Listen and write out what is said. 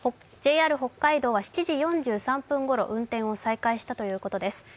ＪＲ北海道は７時４３分ごろ運転を再開したということです。